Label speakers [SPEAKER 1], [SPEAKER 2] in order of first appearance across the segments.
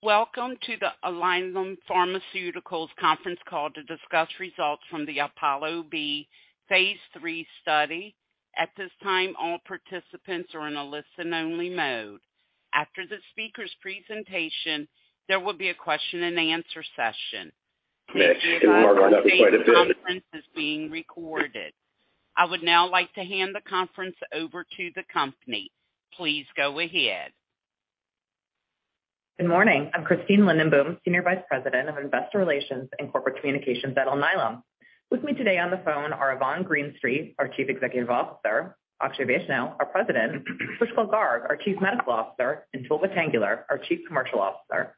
[SPEAKER 1] Welcome to the Alnylam Pharmaceuticals conference call to discuss results from the APOLLO-B phase III study. At this time, all participants are in a listen-only mode. After the speaker's presentation, there will be a question-and-answer session.
[SPEAKER 2] Thank you.
[SPEAKER 3] Yes, we are going to have quite a bit.
[SPEAKER 1] This conference is being recorded. I would now like to hand the conference over to the company. Please go ahead.
[SPEAKER 2] Good morning. I'm Christine Lindenboom, Senior Vice President of Investor Relations and Corporate Communications at Alnylam. With me today on the phone are Yvonne Greenstreet, our Chief Executive Officer, Akshay Vaishnaw, our President, Pushkal Garg, our Chief Medical Officer, and Tolga Tanguler, our Chief Commercial Officer.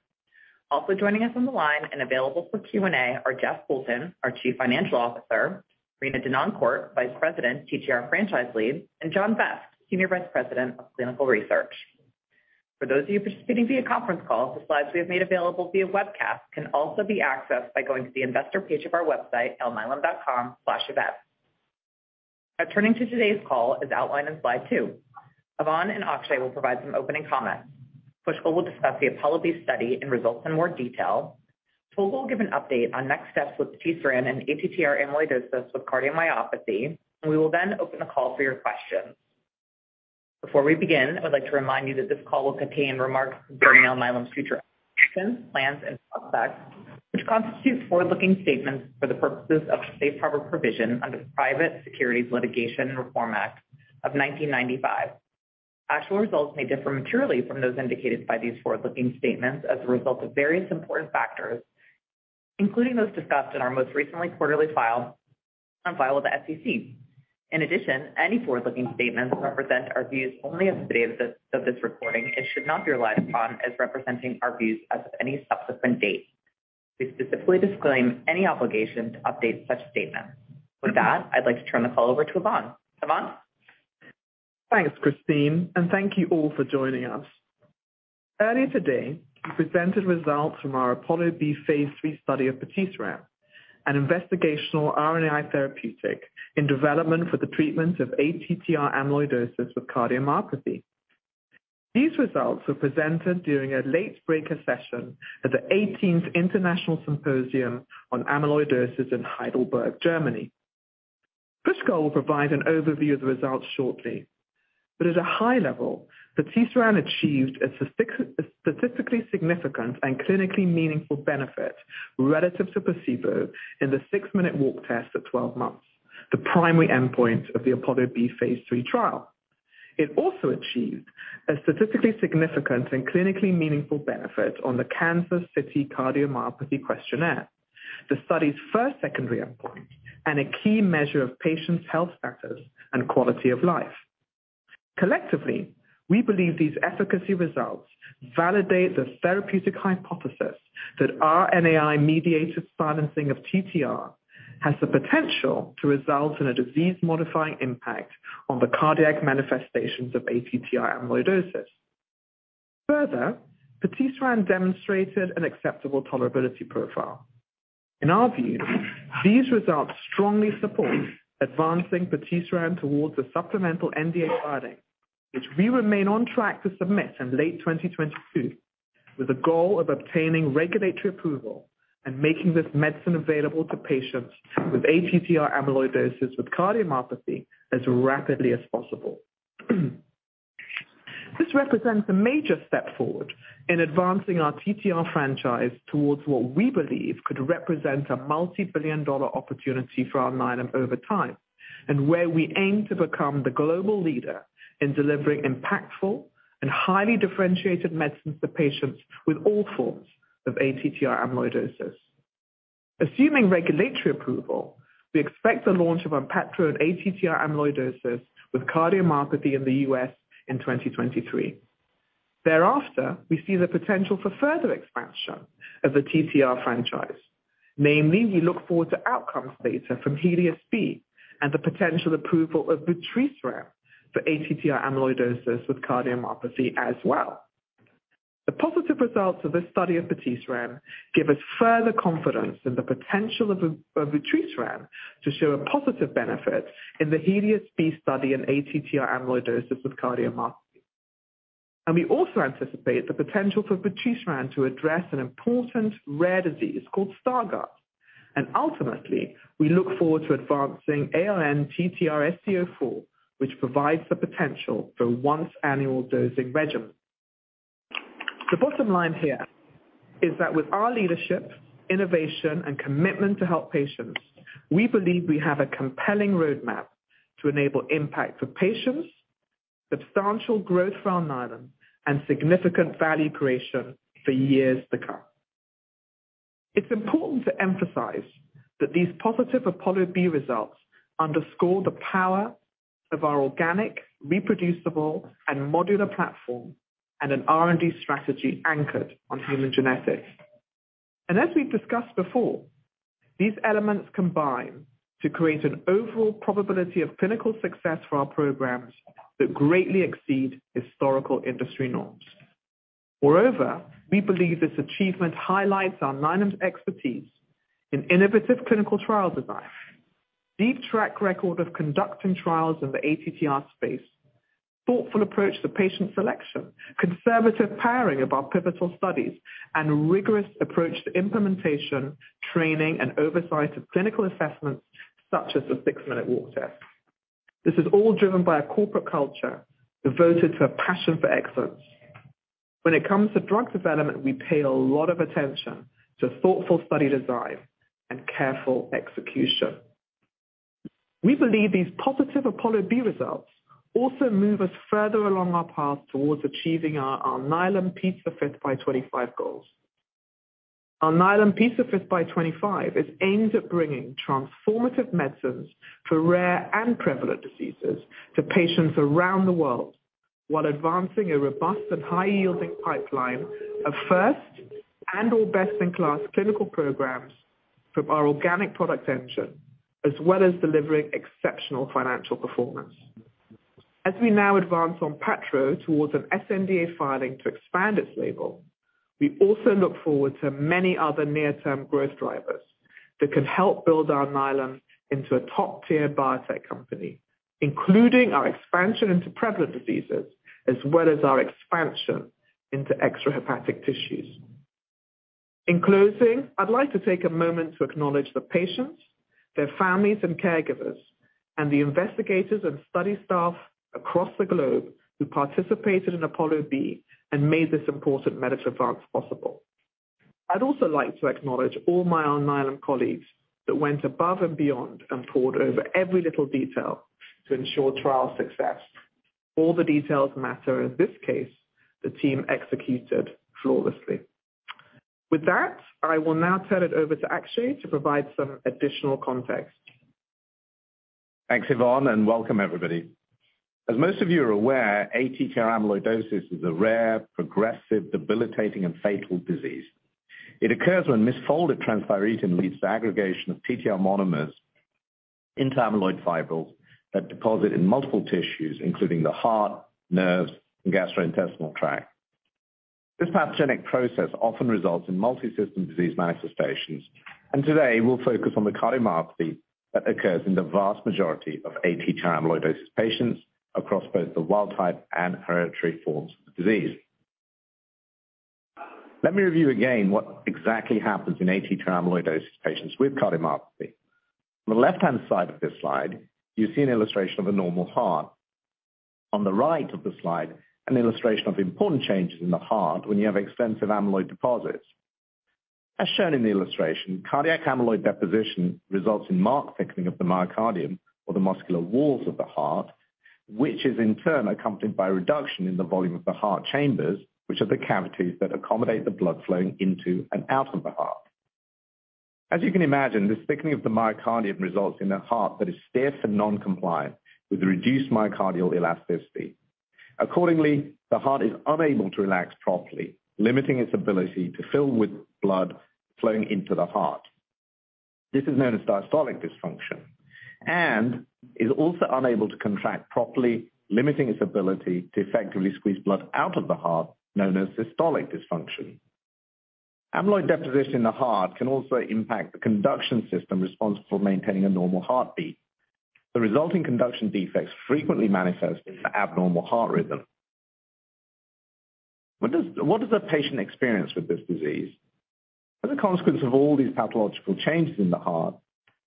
[SPEAKER 2] Also joining us on the line and available for Q&A are Jeff Poulton, our Chief Financial Officer, Rena Denoncourt, Vice President, TTR Franchise Lead, and John Vest, Senior Vice President of Clinical Research. For those of you participating via conference call, the slides we have made available via webcast can also be accessed by going to the investor page of our website, alnylam.com/events. Now, turning to today's call, as outlined in slide two, Yvonne and Akshay will provide some opening comments. Pushkal will discuss the APOLLO-B study and results in more detail. Tolga will give an update on next steps with the TTR and ATTR amyloidosis with cardiomyopathy. We will then open the call for your questions. Before we begin, I would like to remind you that this call will contain remarks concerning Alnylam's future actions, plans, and prospects, which constitute forward-looking statements for the purposes of the Safe Harbor Provision under the Private Securities Litigation Reform Act of 1995. Actual results may differ materially from those indicated by these forward-looking statements as a result of various important factors, including those discussed in our most recent quarterly filing on file with the SEC. In addition, any forward-looking statements represent our views only as of the date of this recording and should not be relied upon as representing our views as of any subsequent date. We specifically disclaim any obligation to update such statements. With that, I'd like to turn the call over to Yvonne. Yvonne?
[SPEAKER 4] Thanks, Christine, and thank you all for joining us. Earlier today, we presented results from our APOLLO-B phase III study of patisiran, an investigational RNAi therapeutic in development for the treatment of ATTR amyloidosis with cardiomyopathy. These results were presented during a late-breaker session at the 18th International Symposium on Amyloidosis in Heidelberg, Germany. Pushkal will provide an overview of the results shortly. But at a high level, patisiran achieved a statistically significant and clinically meaningful benefit relative to placebo in the six-minute walk test at 12 months, the primary endpoint of the APOLLO-B phase III trial. It also achieved a statistically significant and clinically meaningful benefit on the Kansas City Cardiomyopathy Questionnaire, the study's first secondary endpoint, and a key measure of patients' health status and quality of life. Collectively, we believe these efficacy results validate the therapeutic hypothesis that RNAi-mediated silencing of TTR has the potential to result in a disease-modifying impact on the cardiac manifestations of ATTR amyloidosis. Further, the patisiran demonstrated an acceptable tolerability profile. In our view, these results strongly support advancing the patisiran towards a supplemental NDA filing, which we remain on track to submit in late 2022, with the goal of obtaining regulatory approval and making this medicine available to patients with ATTR amyloidosis with cardiomyopathy as rapidly as possible. This represents a major step forward in advancing our TTR franchise towards what we believe could represent a multi-billion-dollar opportunity for Alnylam over time, and where we aim to become the global leader in delivering impactful and highly differentiated medicines to patients with all forms of ATTR amyloidosis. Assuming regulatory approval, we expect the launch of patisiran for ATTR amyloidosis with cardiomyopathy in the US in 2023. Thereafter, we see the potential for further expansion of the TTR franchise. Namely, we look forward to outcomes data from HELIOS-B and the potential approval of vutrisiran for ATTR amyloidosis with cardiomyopathy as well. The positive results of this study of vutrisiran give us further confidence in the potential of vutrisiran to show a positive benefit in the HELIOS-B study in ATTR amyloidosis with cardiomyopathy. And we also anticipate the potential for vutrisiran to address an important rare disease called Stargardt. And ultimately, we look forward to advancing ALN-TTRsc04, which provides the potential for a once-annual dosing regimen. The bottom line here is that with our leadership, innovation, and commitment to help patients, we believe we have a compelling roadmap to enable impact for patients, substantial growth for Alnylam, and significant value creation for years to come. It's important to emphasize that these positive APOLLO-B results underscore the power of our organic, reproducible, and modular platform and an R&D strategy anchored on human genetics. And as we've discussed before, these elements combine to create an overall probability of clinical success for our programs that greatly exceed historical industry norms. Moreover, we believe this achievement highlights Alnylam's expertise in innovative clinical trial design, a deep track record of conducting trials in the ATTR space, a thoughtful approach to patient selection, conservative pairing of our pivotal studies, and a rigorous approach to implementation, training, and oversight of clinical assessments such as the six-minute walk test. This is all driven by a corporate culture devoted to a passion for excellence. When it comes to drug development, we pay a lot of attention to thoughtful study design and careful execution. We believe these positive APOLLO-B results also move us further along our path towards achieving our Alnylam P5x25 goals. Alnylam P5x25 is aimed at bringing transformative medicines for rare and prevalent diseases to patients around the world while advancing a robust and high-yielding pipeline of first and/or best-in-class clinical programs from our organic product engine, as well as delivering exceptional financial performance. As we now advance on patisiran towards an sNDA filing to expand its label, we also look forward to many other near-term growth drivers that can help build Alnylam into a top-tier biotech company, including our expansion into prevalent diseases, as well as our expansion into extrahepatic tissues. In closing, I'd like to take a moment to acknowledge the patients, their families, and caregivers, and the investigators and study staff across the globe who participated in APOLLO-B and made this important medical advance possible. I'd also like to acknowledge all my Alnylam colleagues that went above and beyond and poured over every little detail to ensure trial success. All the details matter. In this case, the team executed flawlessly. With that, I will now turn it over to Akshay to provide some additional context.
[SPEAKER 3] Thanks, Yvonne, and welcome, everybody. As most of you are aware, ATTR amyloidosis is a rare, progressive, debilitating, and fatal disease. It occurs when misfolded transthyretin leads to aggregation of TTR monomers into amyloid fibrils that deposit in multiple tissues, including the heart, nerves, and gastrointestinal tract. This pathogenic process often results in multi-system disease manifestations. And today, we'll focus on the cardiomyopathy that occurs in the vast majority of ATTR amyloidosis patients across both the wild-type and hereditary forms of the disease. Let me review again what exactly happens in ATTR amyloidosis patients with cardiomyopathy. On the left-hand side of this slide, you see an illustration of a normal heart. On the right of the slide, an illustration of important changes in the heart when you have extensive amyloid deposits. As shown in the illustration, cardiac amyloid deposition results in marked thickening of the myocardium, or the muscular walls of the heart, which is in turn accompanied by a reduction in the volume of the heart chambers, which are the cavities that accommodate the blood flowing into and out of the heart. As you can imagine, this thickening of the myocardium results in a heart that is stiff and non-compliant with reduced myocardial elasticity. Accordingly, the heart is unable to relax properly, limiting its ability to fill with blood flowing into the heart. This is known as diastolic dysfunction and is also unable to contract properly, limiting its ability to effectively squeeze blood out of the heart, known as systolic dysfunction. Amyloid deposition in the heart can also impact the conduction system responsible for maintaining a normal heartbeat. The resulting conduction defects frequently manifest in abnormal heart rhythm. What does a patient experience with this disease? As a consequence of all these pathological changes in the heart,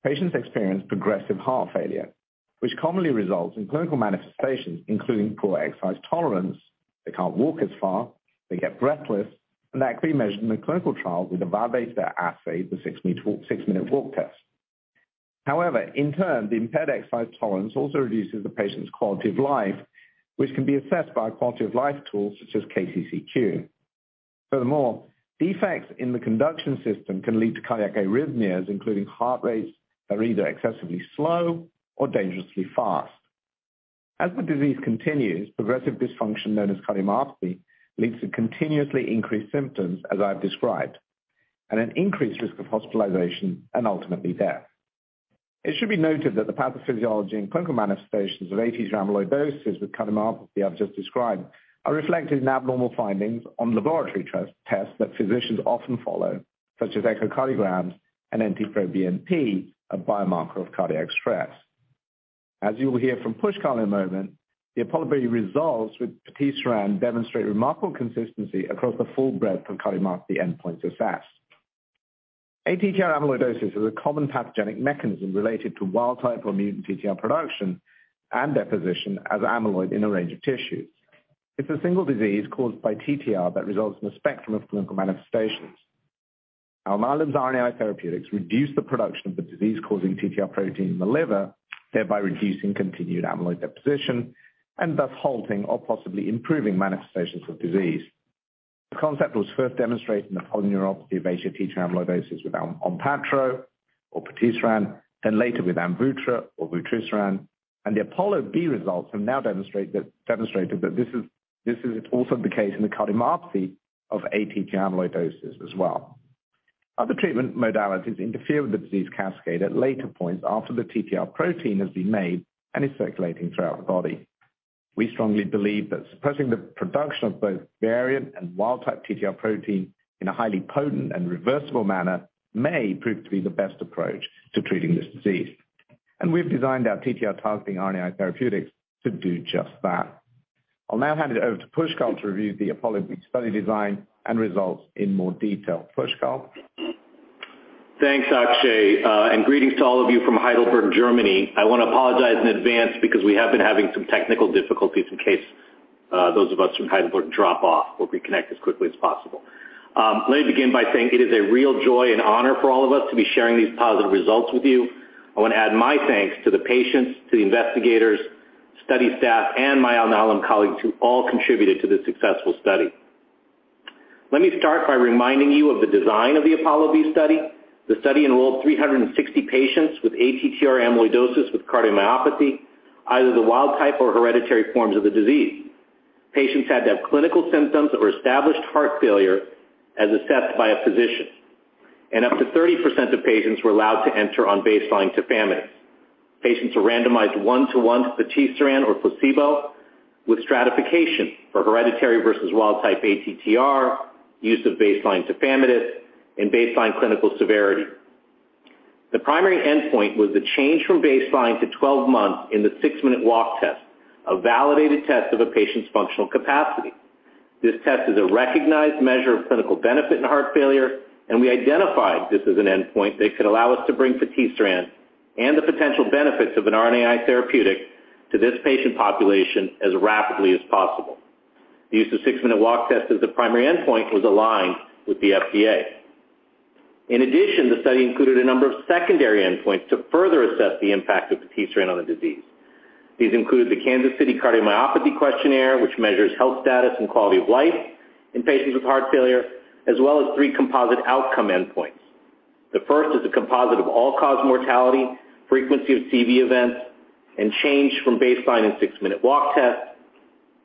[SPEAKER 3] patients experience progressive heart failure, which commonly results in clinical manifestations, including poor exercise tolerance. They can't walk as far. They get breathless, and that can be measured in a clinical trial via the six-minute walk test. However, in turn, the impaired exercise tolerance also reduces the patient's quality of life, which can be assessed by quality-of-life tools such as KCCQ. Furthermore, defects in the conduction system can lead to cardiac arrhythmias, including heart rates that are either excessively slow or dangerously fast. As the disease continues, progressive dysfunction, known as cardiomyopathy, leads to continuously increased symptoms, as I've described, and an increased risk of hospitalization and ultimately death. It should be noted that the pathophysiology and clinical manifestations of ATTR amyloidosis with cardiomyopathy I've just described are reflected in abnormal findings on laboratory tests that physicians often follow, such as echocardiograms and NT-proBNP, a biomarker of cardiac stress. As you will hear from Pushkal in a moment, the APOLLO-B results with the TTR demonstrate remarkable consistency across the full breadth of cardiomyopathy endpoints assessed. ATTR amyloidosis is a common pathogenic mechanism related to wild-type or mutant TTR production and deposition as amyloid in a range of tissues. It's a single disease caused by TTR that results in a spectrum of clinical manifestations. Alnylam's RNAi therapeutics reduce the production of the disease-causing TTR protein in the liver, thereby reducing continued amyloid deposition and thus halting or possibly improving manifestations of disease. The concept was first demonstrated in the polyneuropathy of ATTR amyloidosis with ONPATTRO or patisiran, then later with AMVUTTRA or vutrisiran. And the APOLLO-B results have now demonstrated that this is also the case in the cardiomyopathy of ATTR amyloidosis as well. Other treatment modalities interfere with the disease cascade at later points after the TTR protein has been made and is circulating throughout the body. We strongly believe that suppressing the production of both variant and wild-type TTR protein in a highly potent and reversible manner may prove to be the best approach to treating this disease. And we've designed our TTR-targeting RNAi therapeutics to do just that. I'll now hand it over to Pushkal to review the APOLLO-B study design and results in more detail. Pushkal.
[SPEAKER 5] Thanks, Akshay. And greetings to all of you from Heidelberg, Germany. I want to apologize in advance because we have been having some technical difficulties in case those of us from Heidelberg drop off. We'll reconnect as quickly as possible. Let me begin by saying it is a real joy and honor for all of us to be sharing these positive results with you. I want to add my thanks to the patients, to the investigators, study staff, and my Alnylam colleagues who all contributed to this successful study. Let me start by reminding you of the design of the APOLLO-B study. The study enrolled 360 patients with ATTR amyloidosis with cardiomyopathy, either the wild-type or hereditary forms of the disease. Patients had to have clinical symptoms or established heart failure as assessed by a physician, and up to 30% of patients were allowed to enter on baseline tafamidis. Patients were randomized one-to-one to patisiran or placebo with stratification for hereditary versus wild-type ATTR, use of baseline tafamidis, and baseline clinical severity. The primary endpoint was the change from baseline to 12 months in the six-minute walk test, a validated test of a patient's functional capacity. This test is a recognized measure of clinical benefit in heart failure, and we identified this as an endpoint that could allow us to bring patisiran and the potential benefits of an RNAi therapeutic to this patient population as rapidly as possible. The use of six-minute walk test as the primary endpoint was aligned with the FDA. In addition, the study included a number of secondary endpoints to further assess the impact of patisiran on the disease. These included the Kansas City Cardiomyopathy Questionnaire, which measures health status and quality of life in patients with heart failure, as well as three composite outcome endpoints. The first is a composite of all-cause mortality, frequency of CV events, and change from baseline and six-minute walk test.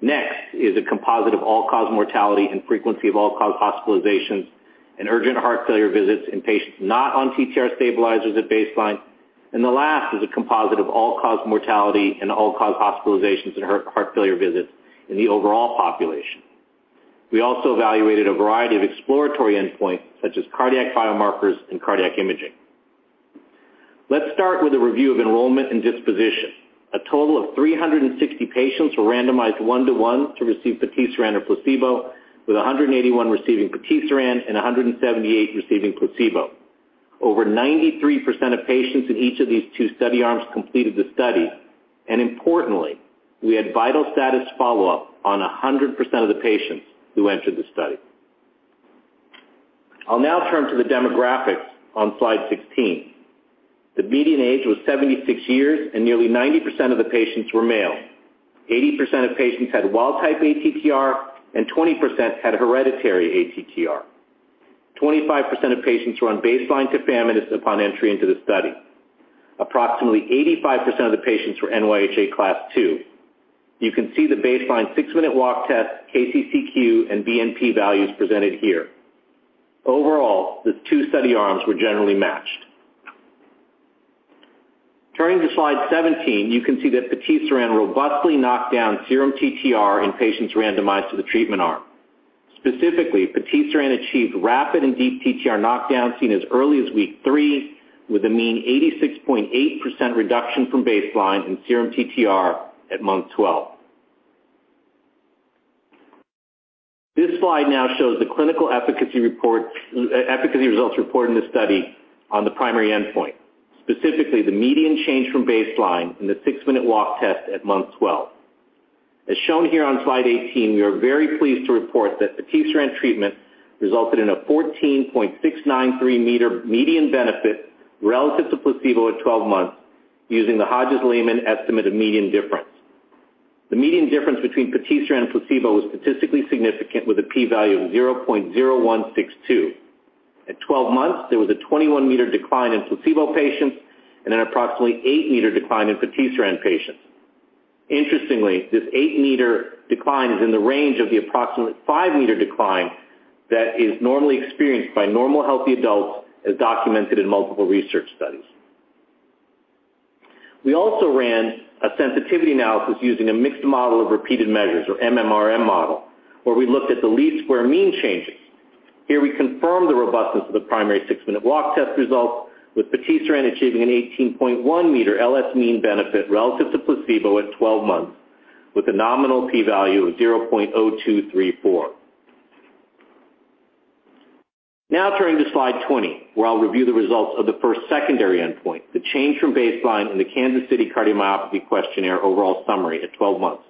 [SPEAKER 5] Next is a composite of all-cause mortality and frequency of all-cause hospitalizations and urgent heart failure visits in patients not on TTR stabilizers at baseline. And the last is a composite of all-cause mortality and all-cause hospitalizations and heart failure visits in the overall population. We also evaluated a variety of exploratory endpoints such as cardiac biomarkers and cardiac imaging. Let's start with a review of enrollment and disposition. A total of 360 patients were randomized one-to-one to receive patisiran or placebo, with 181 receiving patisiran and 178 receiving placebo. Over 93% of patients in each of these two study arms completed the study, and importantly, we had vital status follow-up on 100% of the patients who entered the study. I'll now turn to the demographics on slide 16. The median age was 76 years, and nearly 90% of the patients were male. 80% of patients had wild-type ATTR, and 20% had hereditary ATTR. 25% of patients were on baseline tafamidis upon entry into the study. Approximately 85% of the patients were NYHA Class 2. You can see the baseline six-minute walk test, KCCQ, and BNP values presented here. Overall, the two study arms were generally matched. Turning to slide 17, you can see that patisiran robustly knocked down serum TTR in patients randomized to the treatment arm. Specifically, vutrisiran achieved rapid and deep TTR knockdown seen as early as week three, with a mean 86.8% reduction from baseline in serum TTR at month 12. This slide now shows the clinical efficacy results reported in this study on the primary endpoint, specifically the median change from baseline in the six-minute walk test at month 12. As shown here on slide 18, we are very pleased to report that vutrisiran treatment resulted in a 14.693 m median benefit relative to placebo at 12 months using the Hodges-Lehmann estimate of median difference. The median difference between vutrisiran and placebo was statistically significant with a p-value of 0.0162. At 12 months, there was a 21 m decline in placebo patients and an approximately 8 m decline in vutrisiran patients. Interestingly, this 8 m decline is in the range of the approximately 5 m decline that is normally experienced by normal healthy adults, as documented in multiple research studies. We also ran a sensitivity analysis using a mixed model of repeated measures, or MMRM model, where we looked at the least-squares mean changes. Here, we confirmed the robustness of the primary six-minute walk test results, with patisiran achieving an 18.1 m LS mean benefit relative to placebo at 12 months, with a nominal p-value of 0.0234. Now, turning to slide 20, where I'll review the results of the first secondary endpoint, the change from baseline in the Kansas City Cardiomyopathy Questionnaire overall summary at 12 months.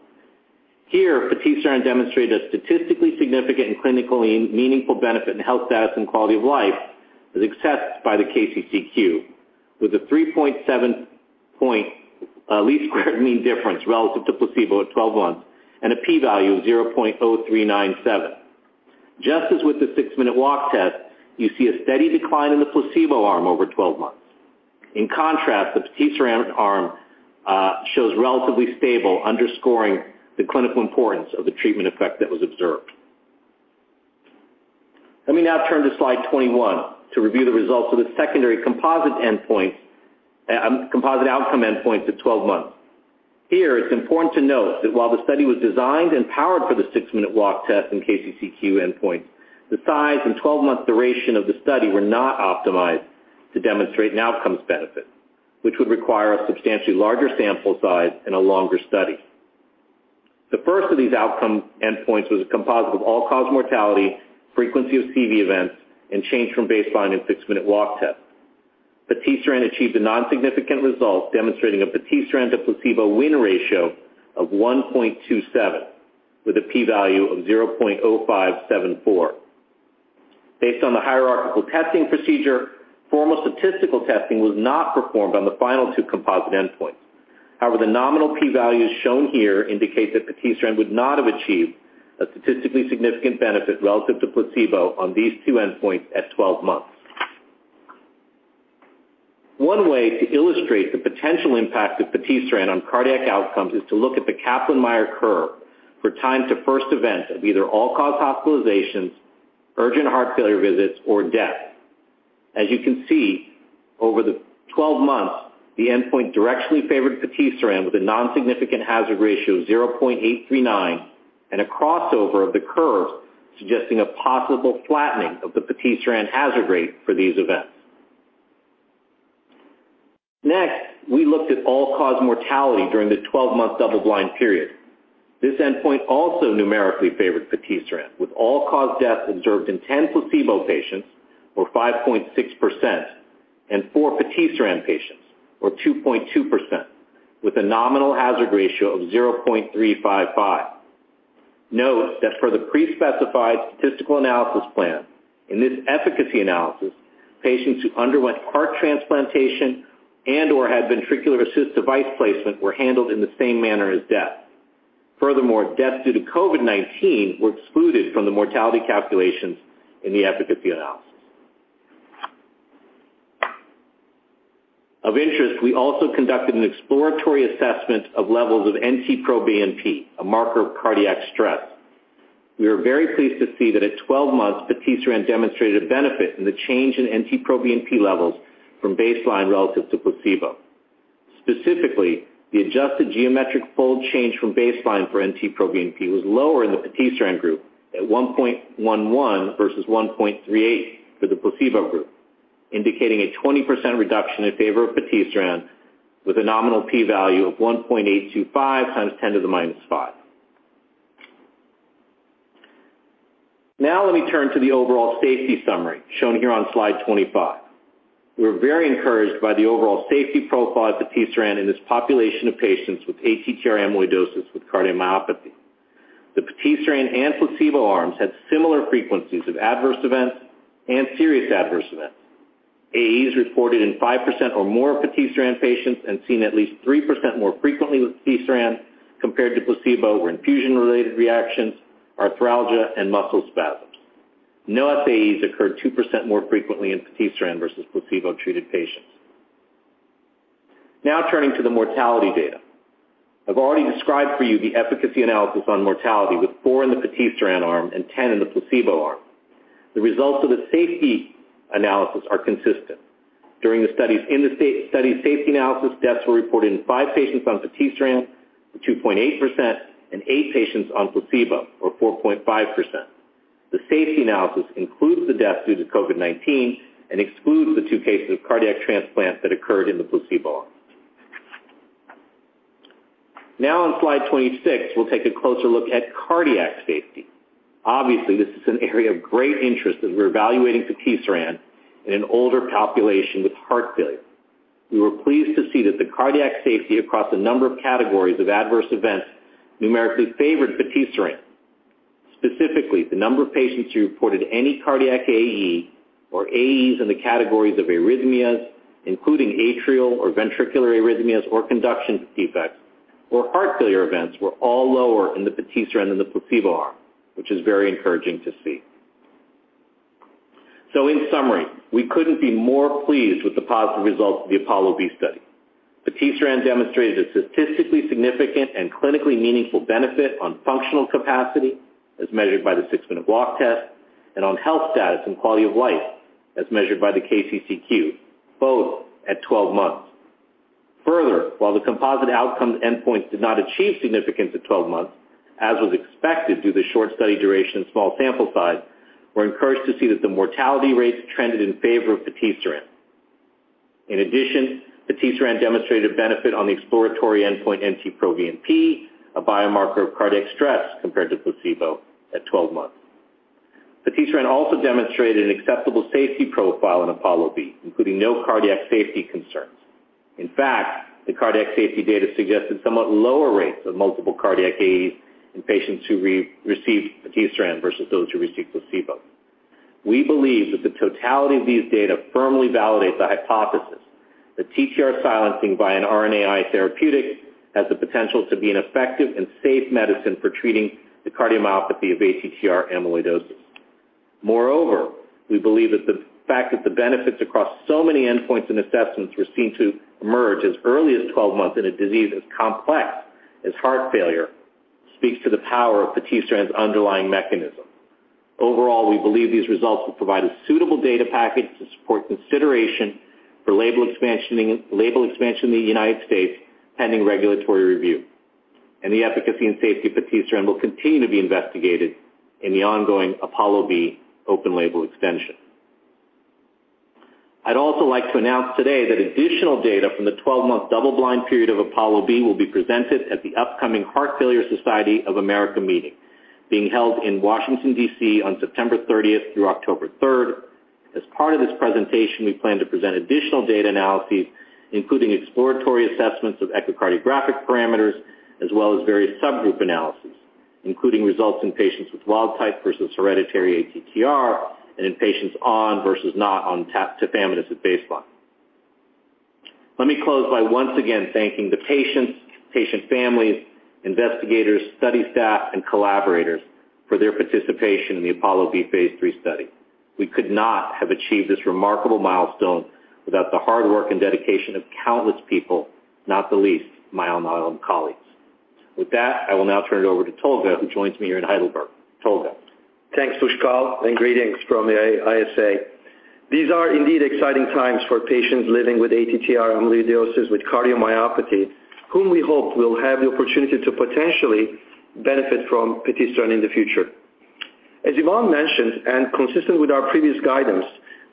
[SPEAKER 5] Here, vutrisiran demonstrated a statistically significant and clinically meaningful benefit in health status and quality of life as assessed by the KCCQ, with a 3.7-point least-square mean difference relative to placebo at 12 months and a p-value of 0.0397. Just as with the six-minute walk test, you see a steady decline in the placebo arm over 12 months. In contrast, the vutrisiran arm shows relatively stable, underscoring the clinical importance of the treatment effect that was observed. Let me now turn to slide 21 to review the results of the secondary composite outcome endpoints at 12 months. Here, it's important to note that while the study was designed and powered for the six-minute walk test and KCCQ endpoints, the size and 12-month duration of the study were not optimized to demonstrate an outcome's benefit, which would require a substantially larger sample size and a longer study. The first of these outcome endpoints was a composite of all-cause mortality, frequency of CV events, and change from baseline and six-minute walk test. patisiran achieved a non-significant result, demonstrating a patisiran to placebo win ratio of 1.27, with a p-value of 0.0574. Based on the hierarchical testing procedure, formal statistical testing was not performed on the final two composite endpoints. However, the nominal p-values shown here indicate that patisiran would not have achieved a statistically significant benefit relative to placebo on these two endpoints at 12 months. One way to illustrate the potential impact of patisiran on cardiac outcomes is to look at the Kaplan-Meier curve for time to first event of either all-cause hospitalizations, urgent heart failure visits, or death. As you can see, over the 12 months, the endpoint directionally favored patisiran with a non-significant hazard ratio of 0.839 and a crossover of the curve suggesting a possible flattening of the patisiran hazard rate for these events. Next, we looked at all-cause mortality during the 12-month double-blind period. This endpoint also numerically favored patisiran, with all-cause death observed in 10 placebo patients, or 5.6%, and 4 patisiran patients, or 2.2%, with a nominal hazard ratio of 0.355. Note that for the pre-specified statistical analysis plan, in this efficacy analysis, patients who underwent heart transplantation and/or had ventricular-assist device placement were handled in the same manner as death. Furthermore, deaths due to COVID-19 were excluded from the mortality calculations in the efficacy analysis. Of interest, we also conducted an exploratory assessment of levels of NT-proBNP, a marker of cardiac stress. We were very pleased to see that at 12 months, vutrisiran demonstrated a benefit in the change in NT-proBNP levels from baseline relative to placebo. Specifically, the adjusted geometric fold change from baseline for NT-proBNP was lower in the vutrisiran group at 1.11 versus 1.38 for the placebo group, indicating a 20% reduction in favor of vutrisiran with a nominal p-value of 1.825x10 to the -5. Now, let me turn to the overall safety summary shown here on slide 25. We were very encouraged by the overall safety profile of vutrisiran in this population of patients with ATTR amyloidosis with cardiomyopathy. The vutrisiran and placebo arms had similar frequencies of adverse events and serious adverse events. AEs reported in 5% or more of vutrisiran patients and seen at least 3% more frequently with vutrisiran compared to placebo were infusion-related reactions, arthralgia, and muscle spasms. No SAEs occurred 2% more frequently in patisiran versus placebo-treated patients. Now, turning to the mortality data. I've already described for you the efficacy analysis on mortality with 4 in the patisiran arm and 10 in the placebo arm. The results of the safety analysis are consistent. During the study's safety analysis, deaths were reported in 5 patients on patisiran, 2.8%, and 8 patients on placebo, or 4.5%. The safety analysis includes the deaths due to COVID-19 and excludes the two cases of cardiac transplant that occurred in the placebo arm. Now, on slide 26, we'll take a closer look at cardiac safety. Obviously, this is an area of great interest as we're evaluating patisiran in an older population with heart failure. We were pleased to see that the cardiac safety across a number of categories of adverse events numerically favored patisiran. Specifically, the number of patients who reported any cardiac AE or AEs in the categories of arrhythmias, including atrial or ventricular arrhythmias or conduction defects, or heart failure events were all lower in the patisiran than the placebo arm, which is very encouraging to see. So, in summary, we couldn't be more pleased with the positive results of the APOLLO-B study. patisiran demonstrated a statistically significant and clinically meaningful benefit on functional capacity, as measured by the six-minute walk test, and on health status and quality of life, as measured by the KCCQ, both at 12 months. Further, while the composite outcome endpoints did not achieve significance at 12 months, as was expected due to the short study duration and small sample size, we're encouraged to see that the mortality rates trended in favor of patisiran. In addition, vutrisiran demonstrated a benefit on the exploratory endpoint NT-proBNP, a biomarker of cardiac stress compared to placebo at 12 months. vutrisiran also demonstrated an acceptable safety profile in APOLLO-B, including no cardiac safety concerns. In fact, the cardiac safety data suggested somewhat lower rates of multiple cardiac AEs in patients who received vutrisiran versus those who received placebo. We believe that the totality of these data firmly validates the hypothesis that TTR silencing by an RNAi therapeutic has the potential to be an effective and safe medicine for treating the cardiomyopathy of ATTR amyloidosis. Moreover, we believe that the fact that the benefits across so many endpoints and assessments were seen to emerge as early as 12 months in a disease as complex as heart failure speaks to the power of vutrisiran's underlying mechanism. Overall, we believe these results will provide a suitable data package to support consideration for label expansion in the United States pending regulatory review, and the efficacy and safety of patisiran will continue to be investigated in the ongoing APOLLO-B open label extension. I'd also like to announce today that additional data from the 12-month double-blind period of APOLLO-B will be presented at the upcoming Heart Failure Society of America meeting, being held in Washington, D.C., on September 30th through October 3rd. As part of this presentation, we plan to present additional data analyses, including exploratory assessments of echocardiographic parameters, as well as various subgroup analyses, including results in patients with wild-type versus hereditary ATTR and in patients on versus not on tafamidis at baseline. Let me close by once again thanking the patients, patient families, investigators, study staff, and collaborators for their participation in the APOLLO-B phase III study. We could not have achieved this remarkable milestone without the hard work and dedication of countless people, not the least, my Alnylam colleagues. With that, I will now turn it over to Tolga, who joins me here in Heidelberg. Tolga.
[SPEAKER 6] Thanks, Pushkal, and greetings from the ISA. These are indeed exciting times for patients living with ATTR amyloidosis with cardiomyopathy, whom we hope will have the opportunity to potentially benefit from vutrisiran in the future. As Yvonne mentioned, and consistent with our previous guidance,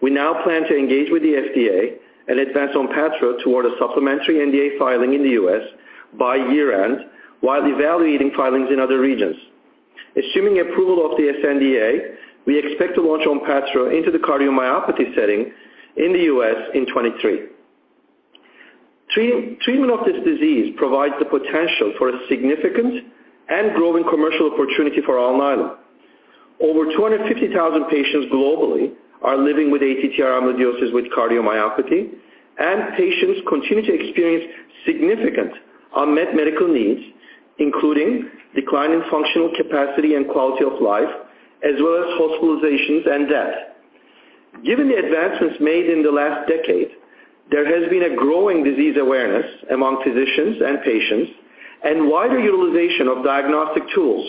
[SPEAKER 6] we now plan to engage with the FDA and advance ONPATTRO toward a supplemental NDA filing in the U.S. by year-end while evaluating filings in other regions. Assuming approval of the sNDA, we expect to launch ONPATTRO into the cardiomyopathy setting in the U.S. in 2023. Treatment of this disease provides the potential for a significant and growing commercial opportunity for Alnylam. Over 250,000 patients globally are living with ATTR amyloidosis with cardiomyopathy, and patients continue to experience significant unmet medical needs, including decline in functional capacity and quality of life, as well as hospitalizations and death. Given the advancements made in the last decade, there has been a growing disease awareness among physicians and patients and wider utilization of diagnostic tools,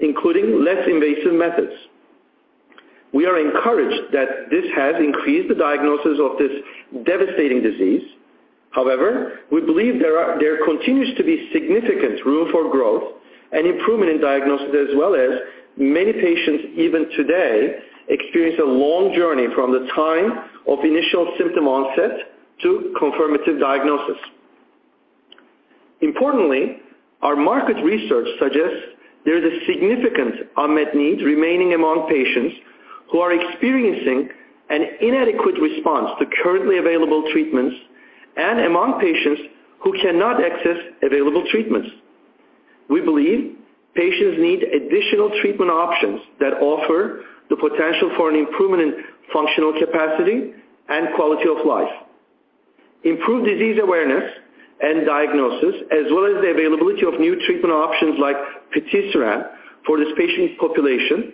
[SPEAKER 6] including less invasive methods. We are encouraged that this has increased the diagnosis of this devastating disease. However, we believe there continues to be significant room for growth and improvement in diagnosis, as well as many patients even today experience a long journey from the time of initial symptom onset to confirmative diagnosis. Importantly, our market research suggests there is a significant unmet need remaining among patients who are experiencing an inadequate response to currently available treatments and among patients who cannot access available treatments. We believe patients need additional treatment options that offer the potential for an improvement in functional capacity and quality of life. Improved disease awareness and diagnosis, as well as the availability of new treatment options like vutrisiran for this patient population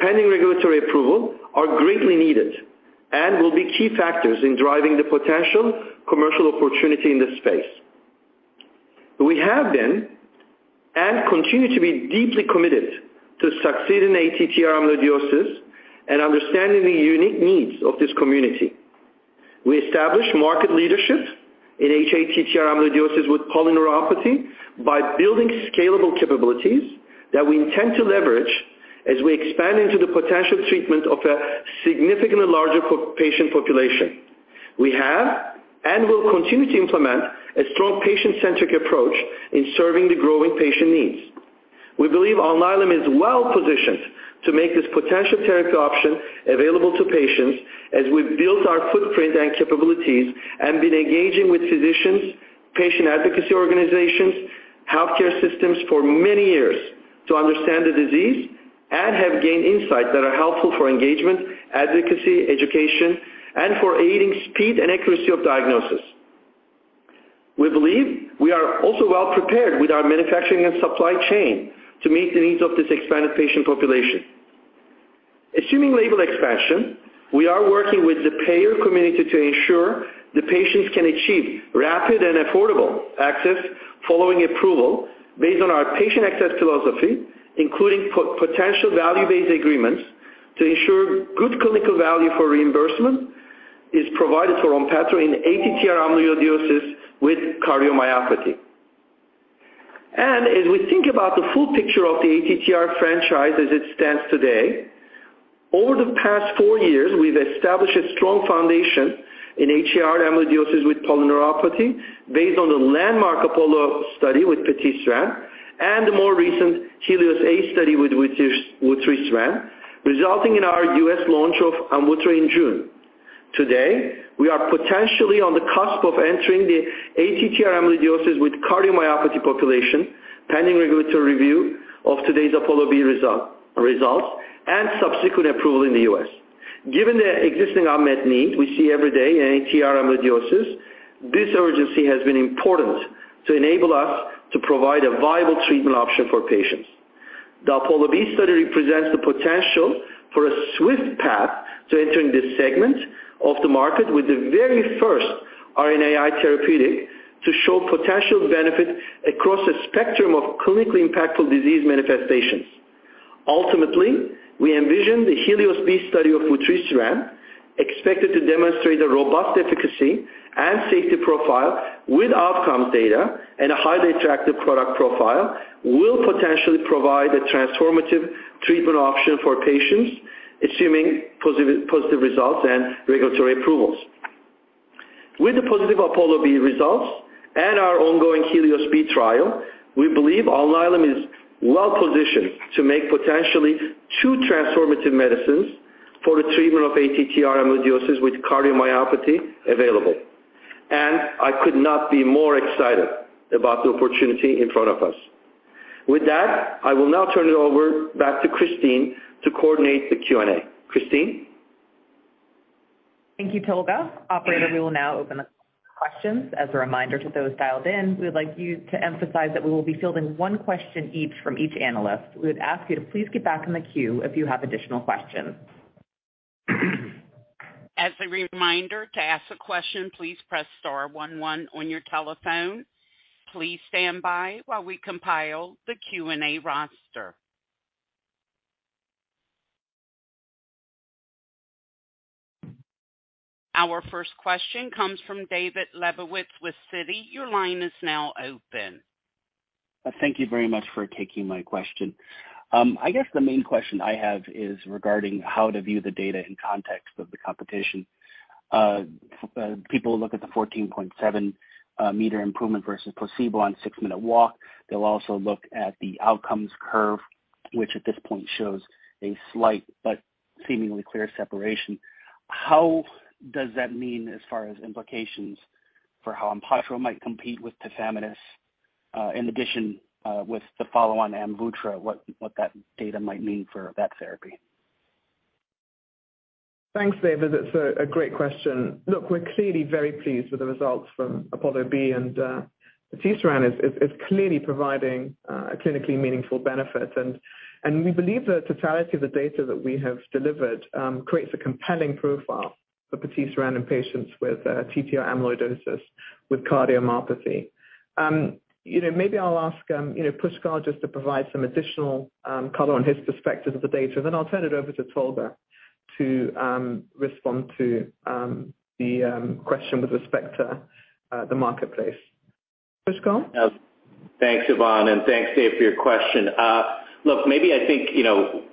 [SPEAKER 6] pending regulatory approval, are greatly needed and will be key factors in driving the potential commercial opportunity in this space. We have been and continue to be deeply committed to succeed in ATTR amyloidosis and understanding the unique needs of this community. We established market leadership in hATTR amyloidosis with polyneuropathy by building scalable capabilities that we intend to leverage as we expand into the potential treatment of a significantly larger patient population. We have and will continue to implement a strong patient-centric approach in serving the growing patient needs. We believe Alnylam is well-positioned to make this potential therapy option available to patients as we've built our footprint and capabilities and been engaging with physicians, patient advocacy organizations, healthcare systems for many years to understand the disease and have gained insights that are helpful for engagement, advocacy, education, and for aiding speed and accuracy of diagnosis. We believe we are also well-prepared with our manufacturing and supply chain to meet the needs of this expanded patient population. Assuming label expansion, we are working with the payer community to ensure the patients can achieve rapid and affordable access following approval based on our patient access philosophy, including potential value-based agreements to ensure good clinical value for reimbursement is provided for ONPATTRO in ATTR amyloidosis with cardiomyopathy. As we think about the full picture of the ATTR franchise as it stands today, over the past four years, we've established a strong foundation in ATTR amyloidosis with polyneuropathy based on the landmark APOLLO study with patisiran and the more recent HELIOS-A study with vutrisiran, resulting in our U.S. launch of AMVUTTRA in June. Today, we are potentially on the cusp of entering the ATTR amyloidosis with cardiomyopathy population pending regulatory review of today's APOLLO-B results and subsequent approval in the U.S. Given the existing unmet need we see every day in ATTR amyloidosis, this urgency has been important to enable us to provide a viable treatment option for patients. The APOLLO-B study represents the potential for a swift path to entering this segment of the market with the very first RNAi therapeutic to show potential benefit across a spectrum of clinically impactful disease manifestations. Ultimately, we envision the HELIOS-B study of vutrisiran expected to demonstrate a robust efficacy and safety profile with outcomes data and a highly attractive product profile will potentially provide a transformative treatment option for patients assuming positive results and regulatory approvals. With the positive APOLLO-B results and our ongoing HELIOS-B trial, we believe Alnylam is well-positioned to make potentially two transformative medicines for the treatment of ATTR amyloidosis with cardiomyopathy available. I could not be more excited about the opportunity in front of us. With that, I will now turn it over back to Christine to coordinate the Q&A. Christine.
[SPEAKER 2] Thank you, Tolga. Operator, we will now open up questions. As a reminder to those dialed in, we would like you to emphasize that we will be fielding one question each from each analyst. We would ask you to please get back in the queue if you have additional questions.
[SPEAKER 1] As a reminder to ask a question, please press star one one on your telephone. Please stand by while we compile the Q&A roster. Our first question comes from David Lebowitz with Citi. Your line is now open.
[SPEAKER 7] Thank you very much for taking my question. I guess the main question I have is regarding how to view the data in context of the competition. People will look at the 14.7 m improvement versus placebo on six-minute walk. They'll also look at the outcomes curve, which at this point shows a slight but seemingly clear separation. How does that mean as far as implications for how ONPATTRO might compete with tafamidis in addition with the follow-on AMVUTTRA, what that data might mean for that therapy?
[SPEAKER 4] Thanks, David. That's a great question. Look, we're clearly very pleased with the results from APOLLO-B, and vutrisiran is clearly providing a clinically meaningful benefit, and we believe the totality of the data that we have delivered creates a compelling profile for vutrisiran in patients with TTR amyloidosis with cardiomyopathy. Maybe I'll ask Pushkal just to provide some additional color on his perspective of the data, and then I'll turn it over to Tolga to respond to the question with respect to the marketplace. Pushkal?
[SPEAKER 5] Thanks, Yvonne, and thanks, Dave, for your question. Look, maybe I think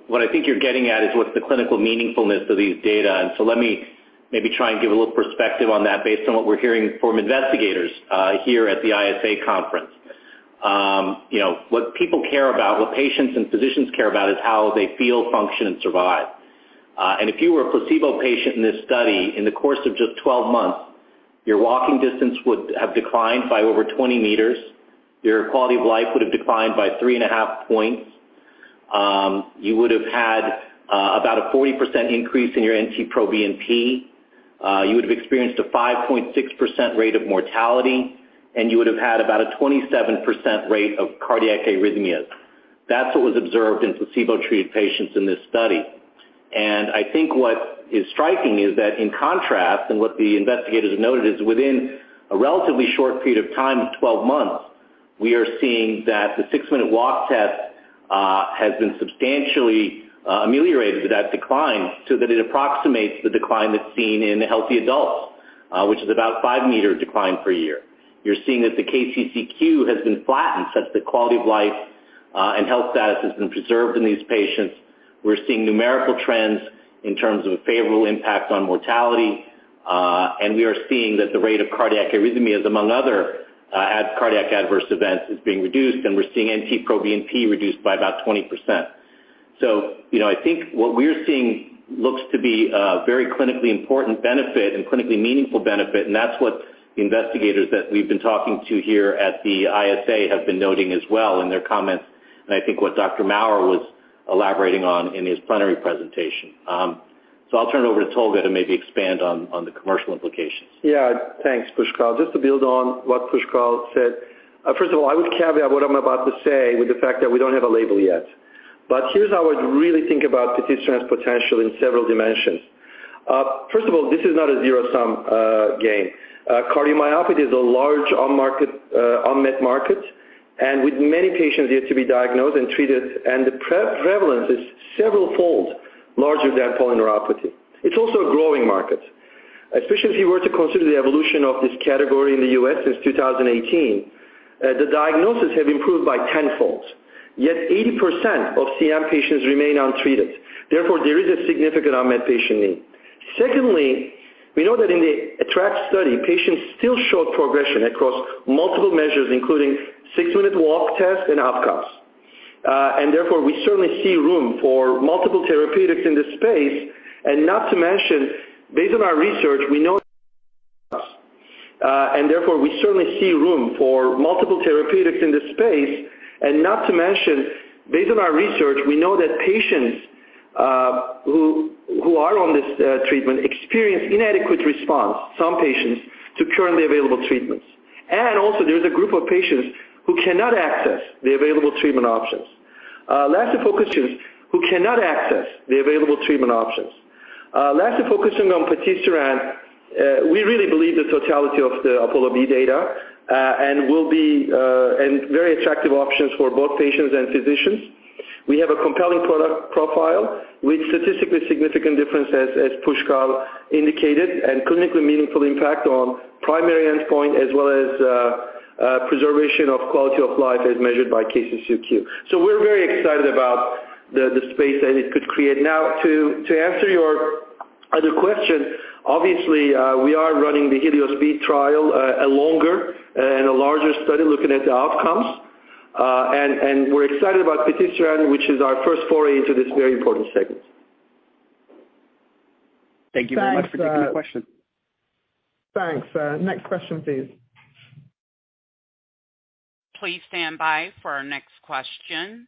[SPEAKER 5] what you're getting at is what's the clinical meaningfulness of these data, so let me maybe try and give a little perspective on that based on what we're hearing from investigators here at the ISA conference. What people care about, what patients and physicians care about, is how they feel, function, and survive. And if you were a placebo patient in this study, in the course of just 12 months, your walking distance would have declined by over 20 meters. Your quality of life would have declined by three and a half points. You would have had about a 40% increase in your NT-proBNP. You would have experienced a 5.6% rate of mortality, and you would have had about a 27% rate of cardiac arrhythmias. That's what was observed in placebo-treated patients in this study. And I think what is striking is that, in contrast, and what the investigators have noted, is within a relatively short period of time of 12 months, we are seeing that the six-minute walk test has been substantially ameliorated with that decline so that it approximates the decline that's seen in healthy adults, which is about a five-meter decline per year. You're seeing that the KCCQ has been flattened such that quality of life and health status has been preserved in these patients. We're seeing numerical trends in terms of a favorable impact on mortality. And we are seeing that the rate of cardiac arrhythmias, among other cardiac adverse events, is being reduced, and we're seeing NT-proBNP reduced by about 20%. So I think what we're seeing looks to be a very clinically important benefit and clinically meaningful benefit, and that's what the investigators that we've been talking to here at the ISA have been noting as well in their comments, and I think what Dr. Maurer was elaborating on in his plenary presentation. So I'll turn it over to Tolga to maybe expand on the commercial implications.
[SPEAKER 6] Yeah, thanks, Pushkal. Just to build on what Pushkal said, first of all, I would caveat what I'm about to say with the fact that we don't have a label yet. But here's how I would really think about vutrisiran's potential in several dimensions. First of all, this is not a zero-sum game. Cardiomyopathy is a large unmet market, and with many patients yet to be diagnosed and treated, and the prevalence is several-fold larger than polyneuropathy. It's also a growing market, especially if you were to consider the evolution of this category in the U.S. since 2018. The diagnoses have improved by tenfold, yet 80% of CM patients remain untreated. Therefore, there is a significant unmet patient need. Secondly, we know that in the ATTR-ACT study, patients still showed progression across multiple measures, including six-minute walk test and outcomes. And therefore, we certainly see room for multiple therapeutics in this space. Not to mention, based on our research, we know and therefore we certainly see room for multiple therapeutics in this space. Not to mention, based on our research, we know that patients who are on this treatment experience inadequate response, some patients, to currently available treatments. Also, there's a group of patients who cannot access the available treatment options. Lastly, focusing on patisiran, we really believe the totality of the APOLLO-B data and will be very attractive options for both patients and physicians. We have a compelling product profile with statistically significant differences, as Pushkal indicated, and clinically meaningful impact on primary endpoint as well as preservation of quality of life as measured by KCCQ. We're very excited about the space that it could create. Now, to answer your other question, obviously, we are running the HELIOS-B trial, a longer and a larger study looking at the outcomes, and we're excited about vutrisiran, which is our first foray into this very important segment.
[SPEAKER 7] Thank you very much for taking the question.
[SPEAKER 4] Thanks. Next question, please.
[SPEAKER 1] Please stand by for our next question.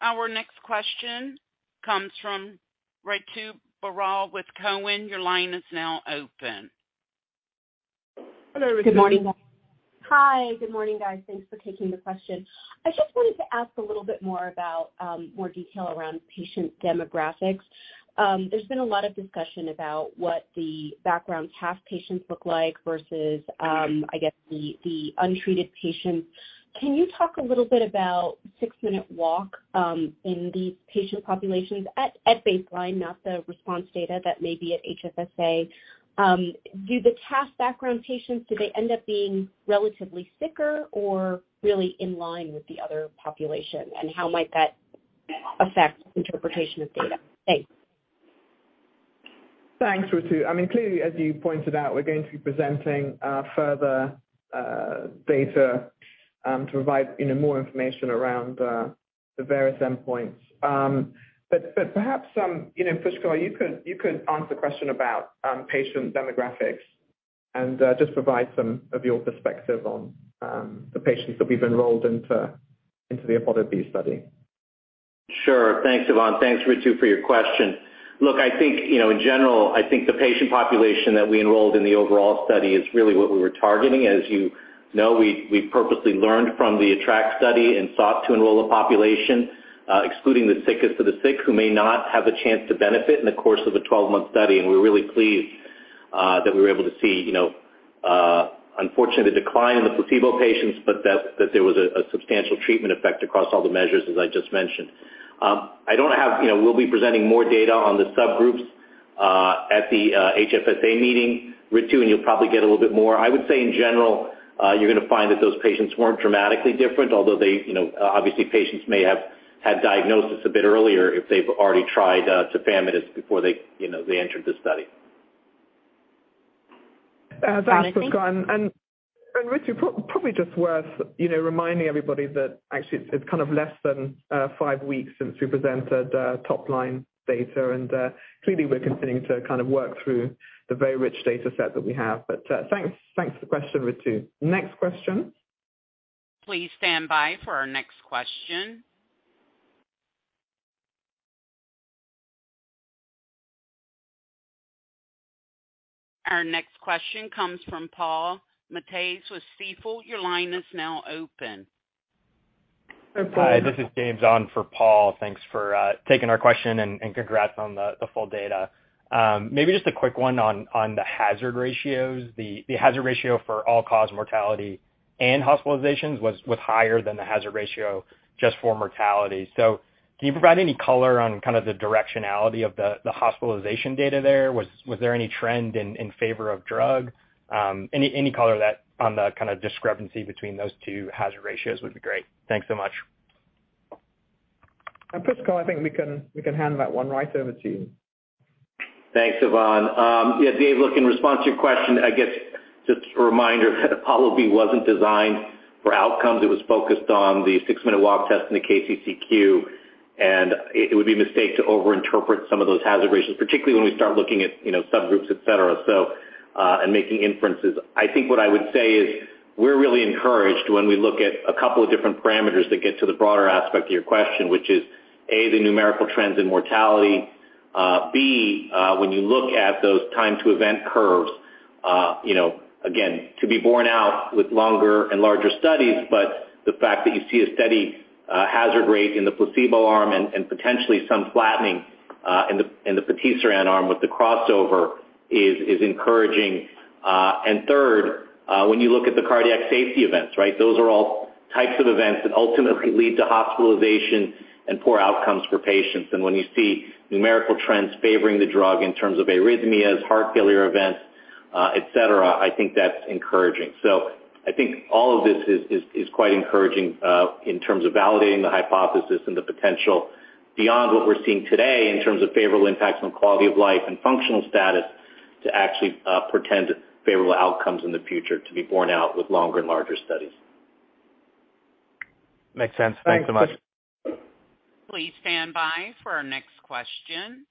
[SPEAKER 1] Our next question comes from Ritu Baral with Cowen. Your line is now open.
[SPEAKER 8] Hello, everybody. Good morning. Hi, good morning, guys. Thanks for taking the question. I just wanted to ask a little bit more about more detail around patient demographics. There's been a lot of discussion about what the background hATTR patients look like versus, I guess, the untreated patients. Can you talk a little bit about six-minute walk in these patient populations at baseline, not the response data that may be at HFSA? Do the ATTR background patients, do they end up being relatively sicker or really in line with the other population? And how might that affect interpretation of data? Thanks.
[SPEAKER 4] Thanks, Ritu. I mean, clearly, as you pointed out, we're going to be presenting further data to provide more information around the various endpoints. But perhaps, Pushkal, you could answer the question about patient demographics and just provide some of your perspective on the patients that we've enrolled into the APOLLO-B study.
[SPEAKER 5] Sure. Thanks, Yvonne. Thanks, Ritu, for your question. Look, I think in general, I think the patient population that we enrolled in the overall study is really what we were targeting. As you know, we purposely learned from the ATTR-ACT study and sought to enroll a population, excluding the sickest of the sick, who may not have a chance to benefit in the course of a 12-month study. And we're really pleased that we were able to see, unfortunately, the decline in the placebo patients, but that there was a substantial treatment effect across all the measures, as I just mentioned. I don't have. We'll be presenting more data on the subgroups at the HFSA meeting, Ritu, and you'll probably get a little bit more. I would say, in general, you're going to find that those patients weren't dramatically different, although obviously, patients may have had diagnosis a bit earlier if they've already tried tafamidis before they entered the study.
[SPEAKER 4] Thanks, Pushkal. And Ritu, probably just worth reminding everybody that actually it's kind of less than five weeks since we presented top-line data. And clearly, we're continuing to kind of work through the very rich data set that we have. But thanks for the question, Ritu. Next question.
[SPEAKER 1] Please stand by for our next question. Our next question comes from Paul Matteis with Stifel. Your line is now open. Hi, this is James on for Paul. Thanks for taking our question and congrats on the full data. Maybe just a quick one on the hazard ratios. The hazard ratio for all-cause mortality and hospitalizations was higher than the hazard ratio just for mortality. So can you provide any color on kind of the directionality of the hospitalization data there? Was there any trend in favor of drug? Any color on the kind of discrepancy between those two hazard ratios would be great. Thanks so much.
[SPEAKER 4] And Pushkal, I think we can hand that one right over to you.
[SPEAKER 5] Thanks, Yvonne. Yeah, James, look, in response to your question, I guess just a reminder that APOLLO-B wasn't designed for outcomes. It was focused on the six-minute walk test and the KCCQ. It would be a mistake to overinterpret some of those hazard ratios, particularly when we start looking at subgroups, etc., and making inferences. I think what I would say is we're really encouraged when we look at a couple of different parameters that get to the broader aspect of your question, which is A, the numerical trends in mortality. B, when you look at those time-to-event curves. Again, to be borne out with longer and larger studies, but the fact that you see a steady hazard rate in the placebo arm and potentially some flattening in the patisiran arm with the crossover is encouraging. And third, when you look at the cardiac safety events, right, those are all types of events that ultimately lead to hospitalization and poor outcomes for patients. And when you see numerical trends favoring the drug in terms of arrhythmias, heart failure events, etc., I think that's encouraging. So I think all of this is quite encouraging in terms of validating the hypothesis and the potential beyond what we're seeing today in terms of favorable impacts on quality of life and functional status to actually portend favorable outcomes in the future to be borne out with longer and larger studies. Makes sense. Thanks so much.
[SPEAKER 1] Please stand by for our next question.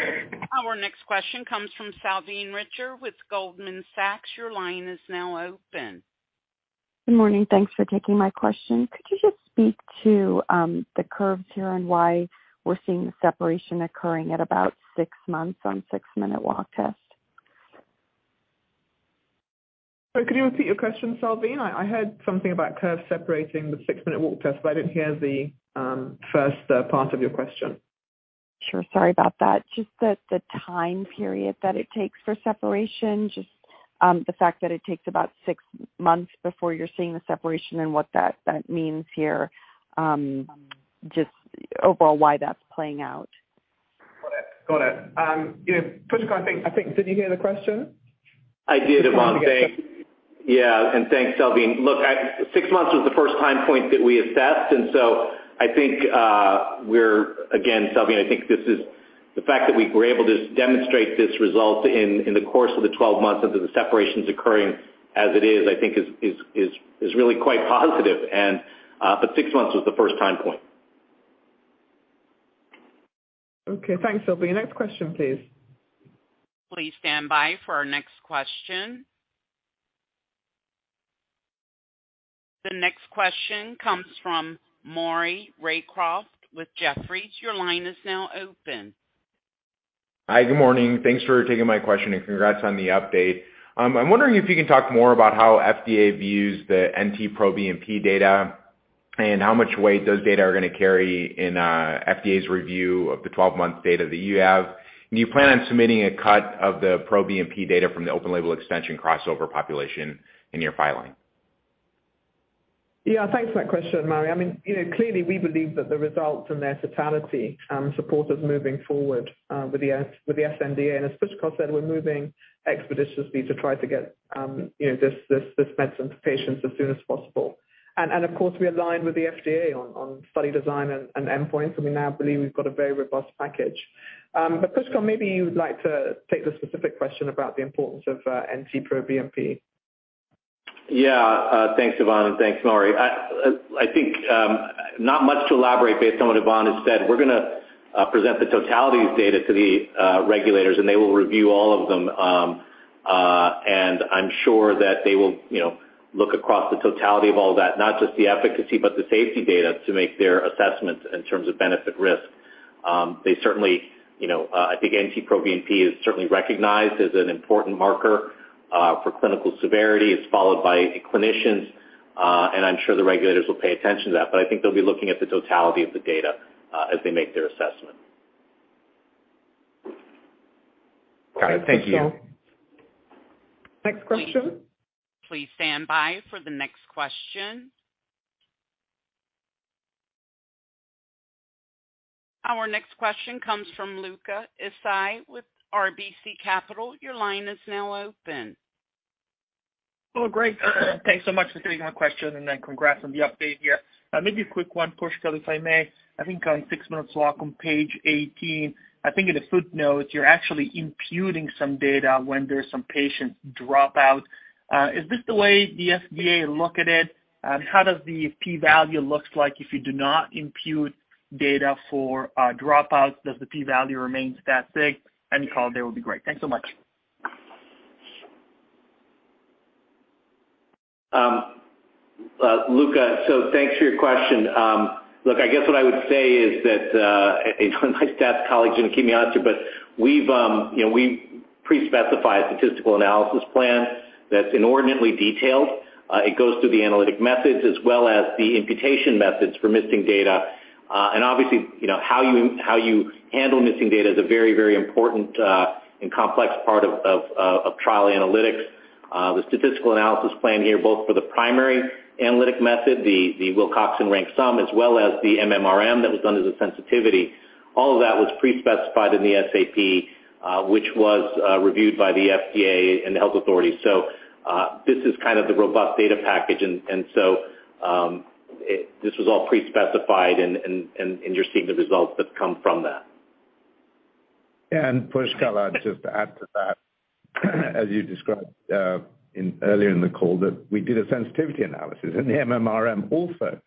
[SPEAKER 1] Our next question comes from Salveen Richter with Goldman Sachs. Your line is now open.
[SPEAKER 9] Good morning. Thanks for taking my question. Could you just speak to the curves here and why we're seeing the separation occurring at about six months on six-minute walk test?
[SPEAKER 4] So could you repeat your question, Salveen? I heard something about curves separating the six-minute walk test, but I didn't hear the first part of your question.
[SPEAKER 9] Sure. Sorry about that. Just the time period that it takes for separation, just the fact that it takes about six months before you're seeing the separation and what that means here, just overall why that's playing out.
[SPEAKER 4] Got it. Pushkal, I think did you hear the question?
[SPEAKER 5] I did, Yvonne. Thanks. Yeah. And thanks, Salveen. Look, six months was the first time point that we assessed. And so I think we're again, Salveen, I think this is the fact that we were able to demonstrate this result in the course of the 12 months and the separations occurring as it is, I think is really quite positive. But six months was the first time point.
[SPEAKER 4] Okay. Thanks, Salveen. Next question, please.
[SPEAKER 1] Please stand by for our next question. The next question comes from Maury Raycroft with Jefferies. Your line is now open.
[SPEAKER 10] Hi, good morning. Thanks for taking my question and congrats on the update. I'm wondering if you can talk more about how FDA views the NT-proBNP data and how much weight those data are going to carry in FDA's review of the 12-month data that you have. Do you plan on submitting a cut of the proBNP data from the open label extension crossover population in your filing?
[SPEAKER 4] Yeah. Thanks for that question, Maury. I mean, clearly, we believe that the results and their totality support us moving forward with the sNDA, and as Pushkal said, we're moving expeditiously to try to get this medicine to patients as soon as possible, and of course, we aligned with the FDA on study design and endpoints, and we now believe we've got a very robust package. But Pushkal, maybe you would like to take the specific question about the importance of NT-proBNP.
[SPEAKER 5] Yeah. Thanks, Yvonne, and thanks, Maury. I think not much to elaborate based on what Yvonne has said. We're going to present the totality of these data to the regulators, and they will review all of them. And I'm sure that they will look across the totality of all that, not just the efficacy, but the safety data to make their assessment in terms of benefit-risk. They certainly, I think, NT-proBNP is certainly recognized as an important marker for clinical severity. It's followed by clinicians, and I'm sure the regulators will pay attention to that. But I think they'll be looking at the totality of the data as they make their assessment.
[SPEAKER 10] Got it. Thank you.
[SPEAKER 4] Next question.
[SPEAKER 1] Please stand by for the next question. Our next question comes from Luca Issi with RBC Capital Markets. Your line is now open.
[SPEAKER 11] Oh, great. Thanks so much for taking my question and then congrats on the update here. Maybe a quick one, Pushkal, if I may. I think six-minute walk on page 18. I think in the footnotes, you're actually imputing some data when there's some patient dropout. Is this the way the FDA look at it? How does the p-value look like if you do not impute data for dropouts? Does the p-value remain static? Any color there would be great. Thanks so much.
[SPEAKER 5] Luca, so thanks for your question. Look, I guess what I would say is that my staff colleagues are going to keep me honest here, but we've pre-specified a statistical analysis plan that's inordinately detailed. It goes through the analytic methods as well as the imputation methods for missing data. Obviously, how you handle missing data is a very, very important and complex part of trial analytics. The statistical analysis plan here, both for the primary analytic method, the Wilcoxon rank-sum, as well as the MMRM that was done as a sensitivity, all of that was pre-specified in the SAP, which was reviewed by the FDA and the health authorities. So this is kind of the robust data package. And so this was all pre-specified, and you're seeing the results that come from that.
[SPEAKER 3] And Pushkal, I'd just add to that, as you described earlier in the call, that we did a sensitivity analysis, and the MMRM also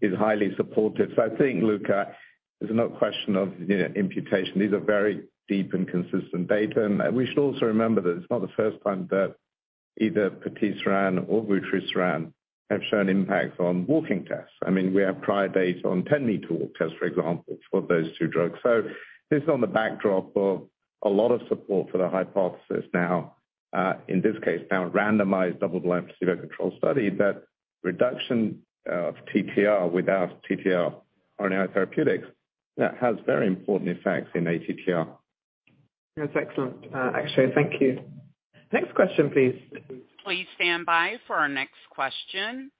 [SPEAKER 3] is highly supportive. So I think, Luca, it's not a question of imputation. These are very deep and consistent data. And we should also remember that it's not the first time that either patisiran or vutrisiran have shown impacts on walking tests. I mean, we have prior data on 10-metre walk tests, for example, for those two drugs. So this is on the backdrop of a lot of support for the hypothesis now, in this case, now randomized double-blind placebo-controlled study that reduction of TTR with TTR RNAi therapeutics has very important effects in ATTR.
[SPEAKER 11] That's excellent. Actually, thank you.
[SPEAKER 4] Next question, please.
[SPEAKER 1] Please stand by for our next question.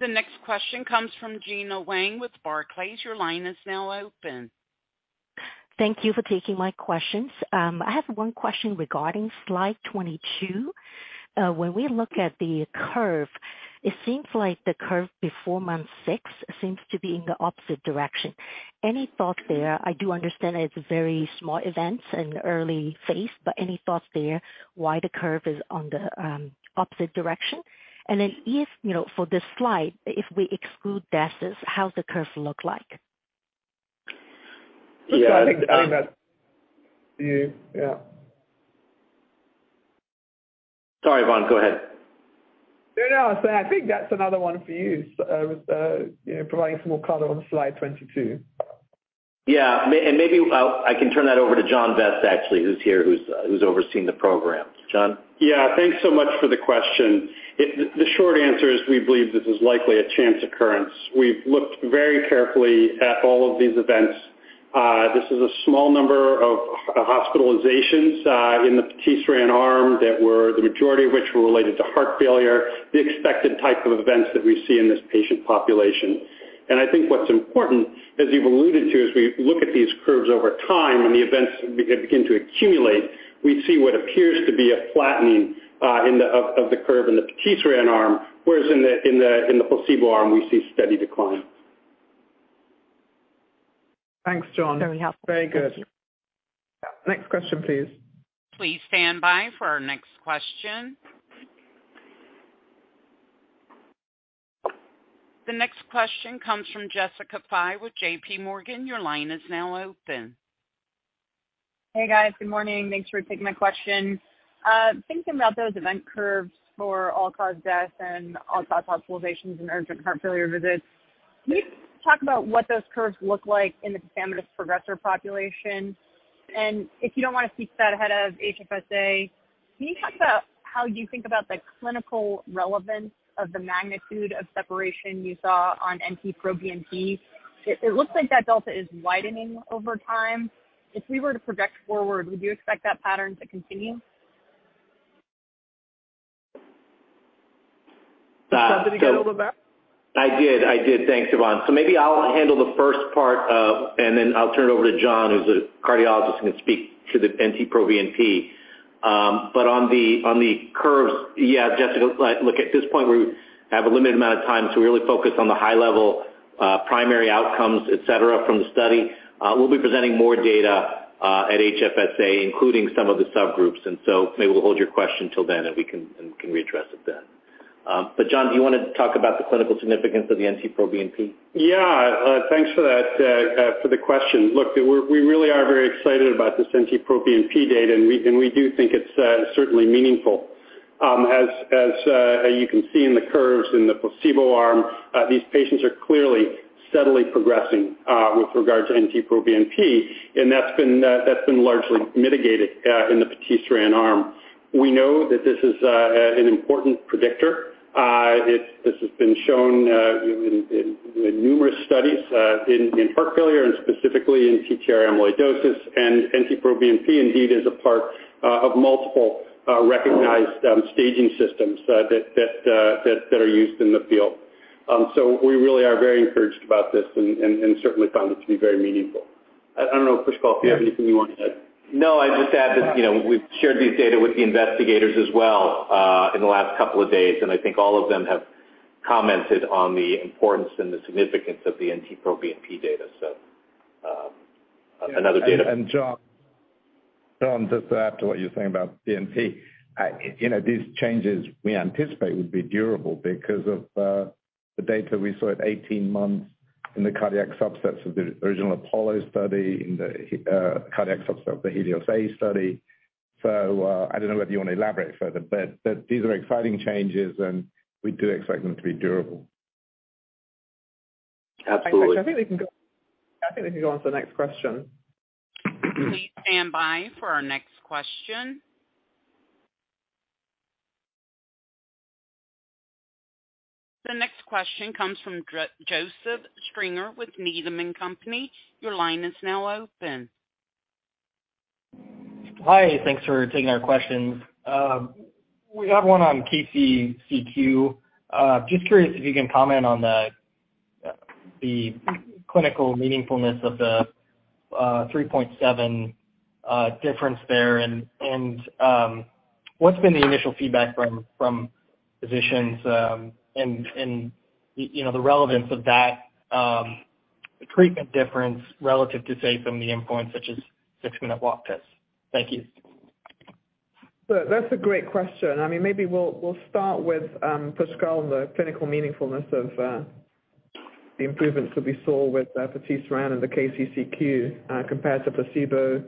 [SPEAKER 1] The next question comes from Gena Wang with Barclays. Your line is now open.
[SPEAKER 12] Thank you for taking my questions. I have one question regarding slide 22. When we look at the curve, it seems like the curve before month six seems to be in the opposite direction. Any thought there? I do understand it's a very small event and early phase, but any thoughts there why the curve is on the opposite direction? And then for this slide, if we exclude DASSs, how's the curve look like?
[SPEAKER 5] Yeah.
[SPEAKER 4] I think that's yeah.
[SPEAKER 5] Sorry, Yvonne. Go ahead.
[SPEAKER 4] No, no. So I think that's another one for you with providing some more color on slide 22.
[SPEAKER 5] Yeah. And maybe I can turn that over to John Vest, actually, who's here, who's overseeing the program. John?
[SPEAKER 13] Yeah. Thanks so much for the question. The short answer is we believe this is likely a chance occurrence. We've looked very carefully at all of these events. This is a small number of hospitalizations in the patisiran arm that were the majority of which were related to heart failure, the expected type of events that we see in this patient population. And I think what's important, as you've alluded to, as we look at these curves over time and the events begin to accumulate, we see what appears to be a flattening of the curve in the patisiran arm, whereas in the placebo arm, we see steady decline.
[SPEAKER 4] Thanks, John.
[SPEAKER 12] Very helpful.
[SPEAKER 4] Very good. Next question, please.
[SPEAKER 1] Please stand by for our next question. The next question comes from Jessica Fye with JPMorgan. Your line is now open.
[SPEAKER 14] Hey, guys. Good morning. Thanks for taking my question. Thinking about those event curves for all-cause death and all-cause hospitalizations and urgent heart failure visits, can you talk about what those curves look like in the tafamidis progressor population? And if you don't want to speak to that ahead of HFSA, can you talk about how you think about the clinical relevance of the magnitude of separation you saw on NT-proBNP? It looks like that delta is widening over time. If we were to project forward, would you expect that pattern to continue?
[SPEAKER 4] Did you get all of that?
[SPEAKER 5] I did. I did. Thanks, Yvonne. So maybe I'll handle the first part, and then I'll turn it over to John, who's a cardiologist and can speak to the NT-proBNP. But on the curves, yeah, Jessica, look, at this point, we have a limited amount of time, so we really focus on the high-level primary outcomes, etc., from the study. We'll be presenting more data at HFSA, including some of the subgroups, and so maybe we'll hold your question till then, and we can readdress it then, but John, do you want to talk about the clinical significance of the NT-proBNP?
[SPEAKER 13] Yeah. Thanks for that, for the question. Look, we really are very excited about this NT-proBNP data, and we do think it's certainly meaningful. As you can see in the curves in the placebo arm, these patients are clearly steadily progressing with regard to NT-proBNP, and that's been largely mitigated in the patisiran arm. We know that this is an important predictor. This has been shown in numerous studies in heart failure and specifically in TTR amyloidosis, and NT-proBNP indeed is a part of multiple recognized staging systems that are used in the field. So we really are very encouraged about this and certainly found it to be very meaningful. I don't know, Pushkal, if you have anything you want to add.
[SPEAKER 5] No, I'd just add that we've shared these data with the investigators as well in the last couple of days, and I think all of them have commented on the importance and the significance of the NT-proBNP data. So another data. And John, just to add to what you're saying about BNP, these changes we anticipate would be durable because of the data we saw at 18 months in the cardiac subsets of the original APOLLO study, in the cardiac subset of the HELIOS-A study. So I don't know whether you want to elaborate further, but these are exciting changes, and we do expect them to be durable.
[SPEAKER 13] Absolutely.
[SPEAKER 4] I think we can go on to the next question.
[SPEAKER 1] Please stand by for our next question. The next question comes from Joseph Stringer with Needham & Company. Your line is now open.
[SPEAKER 15] Hi. Thanks for taking our questions. We have one on KCCQ. Just curious if you can comment on the clinical meaningfulness of the 3.7 difference there. And what's been the initial feedback from physicians and the relevance of that treatment difference relative to, say, some of the endpoints such as six-minute walk tests? Thank you.
[SPEAKER 4] That's a great question. I mean, maybe we'll start with Pushkal and the clinical meaningfulness of the improvements that we saw with vutrisiran and the KCCQ compared to placebo,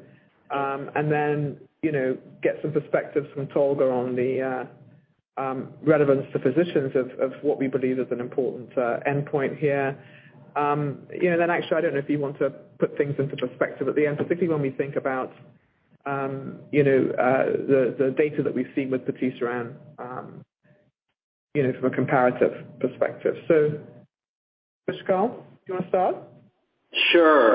[SPEAKER 4] and then get some perspectives from Tolga on the relevance to physicians of what we believe is an important endpoint here. And then actually, I don't know if you want to put things into perspective at the end, particularly when we think about the data that we've seen with vutrisiran from a comparative perspective. So Pushkal, do you want to start?
[SPEAKER 5] Sure.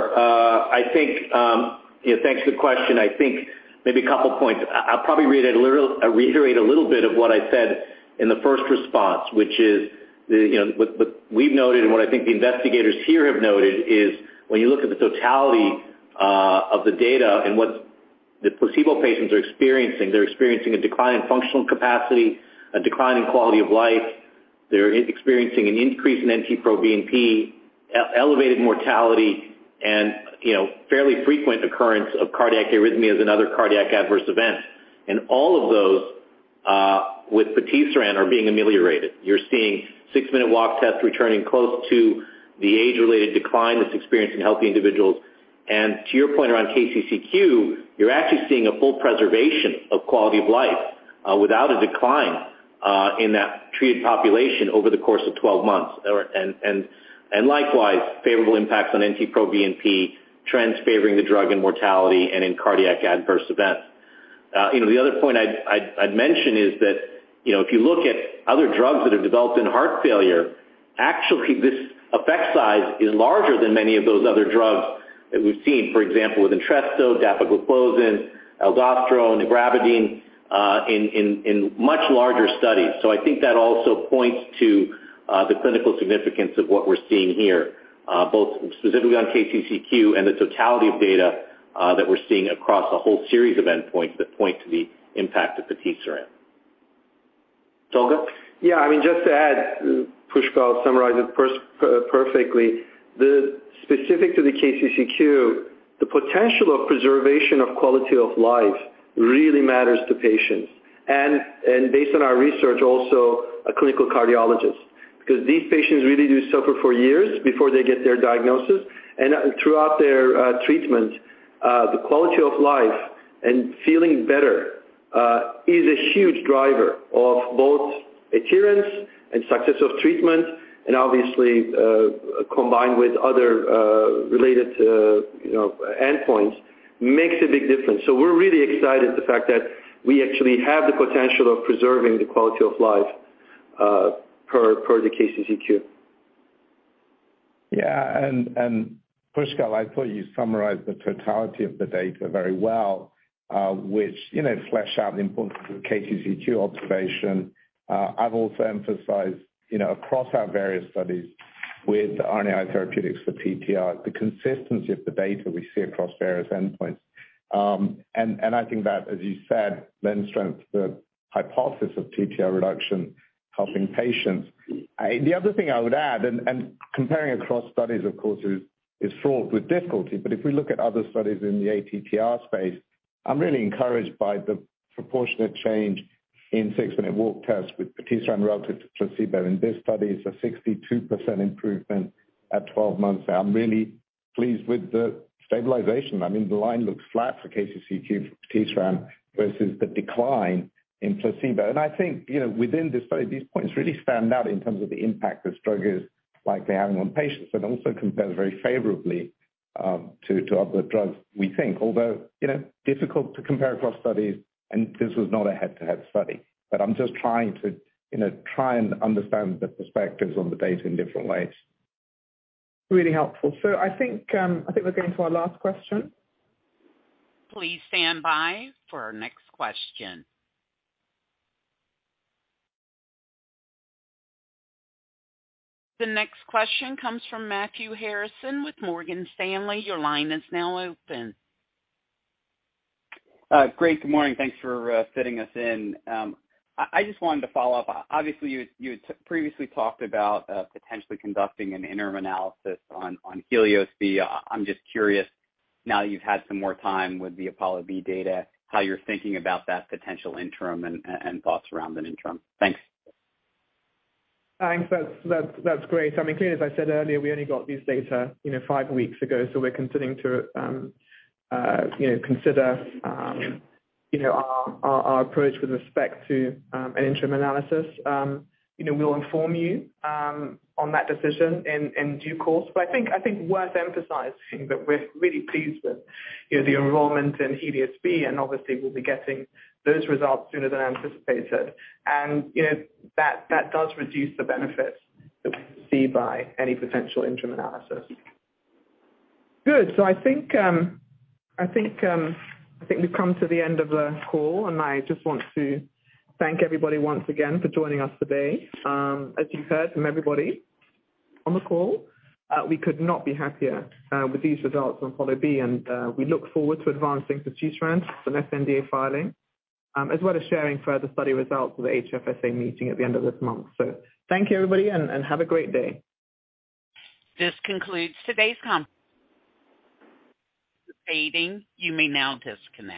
[SPEAKER 5] Thanks for the question. I think maybe a couple of points. I'll probably reiterate a little bit of what I said in the first response, which is what we've noted and what I think the investigators here have noted is when you look at the totality of the data and what the placebo patients are experiencing, they're experiencing a decline in functional capacity, a decline in quality of life. They're experiencing an increase in NT-proBNP, elevated mortality, and fairly frequent occurrence of cardiac arrhythmias and other cardiac adverse events. And all of those with patisiran are being ameliorated. You're seeing six-minute walk tests returning close to the age-related decline that's experienced in healthy individuals. And to your point around KCCQ, you're actually seeing a full preservation of quality of life without a decline in that treated population over the course of 12 months. Likewise, favorable impacts on NT-proBNP, trends favoring the drug in mortality and in cardiac adverse events. The other point I'd mention is that if you look at other drugs that are developed in heart failure, actually, this effect size is larger than many of those other drugs that we've seen, for example, with Entresto, dapagliflozin, and ivabradine in much larger studies. So I think that also points to the clinical significance of what we're seeing here, both specifically on KCCQ and the totality of data that we're seeing across a whole series of endpoints that point to the impact of patisiran. Tolga?
[SPEAKER 6] Yeah. I mean, just to add, Pushkal summarized it perfectly. Specific to the KCCQ, the potential of preservation of quality of life really matters to patients. And based on our research, also a clinical cardiologist, because these patients really do suffer for years before they get their diagnosis. And throughout their treatment, the quality of life and feeling better is a huge driver of both adherence and success of treatment, and obviously, combined with other related endpoints, makes a big difference. So we're really excited at the fact that we actually have the potential of preserving the quality of life per the KCCQ.
[SPEAKER 3] Yeah. And Pushkal, I thought you summarized the totality of the data very well, which fleshed out the importance of KCCQ observation. I've also emphasized across our various studies with RNAi therapeutics for TTR, the consistency of the data we see across various endpoints. And I think that, as you said, then strengthens the hypothesis of TTR reduction helping patients. The other thing I would add, and comparing across studies, of course, is fraught with difficulty, but if we look at other studies in the ATTR space, I'm really encouraged by the proportionate change in six-minute walk tests with patisiran relative to placebo. In this study, it's a 62% improvement at 12 months. I'm really pleased with the stabilization. I mean, the line looks flat for KCCQ for patisiran versus the decline in placebo. And I think within this study, these points really stand out in terms of the impact this drug is likely having on patients and also compares very favorably to other drugs, we think. Although difficult to compare across studies, and this was not a head-to-head study, but I'm just trying to understand the perspectives on the data in different ways.
[SPEAKER 4] Really helpful. So I think we're getting to our last question.
[SPEAKER 1] Please stand by for our next question. The next question comes from Matthew Harrison with Morgan Stanley. Your line is now open.
[SPEAKER 16] Great. Good morning. Thanks for fitting us in. I just wanted to follow up. Obviously, you had previously talked about potentially conducting an interim analysis on HELIOS-B. I'm just curious, now that you've had some more time with the APOLLO-B data, how you're thinking about that potential interim and thoughts around that interim. Thanks.
[SPEAKER 4] Thanks. That's great. I mean, clearly, as I said earlier, we only got these data five weeks ago, so we're continuing to consider our approach with respect to an interim analysis. We'll inform you on that decision in due course. But I think worth emphasizing that we're really pleased with the enrollment in HELIOS-B, and obviously, we'll be getting those results sooner than anticipated. And that does reduce the benefits that we see by any potential interim analysis. Good. So I think we've come to the end of the call, and I just want to thank everybody once again for joining us today. As you've heard from everybody on the call, we could not be happier with these results on APOLLO-B, and we look forward to advancing vutrisiran and sNDA filing, as well as sharing further study results of the HFSA meeting at the end of this month. So thank you, everybody, and have a great day.
[SPEAKER 1] This concludes today's conversation. You may now disconnect.